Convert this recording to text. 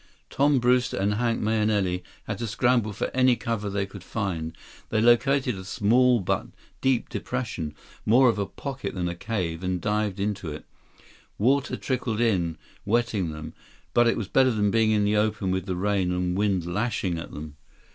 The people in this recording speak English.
Tom Brewster and Hank Mahenili had to scramble for any cover they could find. They located a small but deep depression, more of a pocket than a cave, and dived into it. Water trickled in, wetting them, but it was better than being in the open with the rain and wind lashing at them.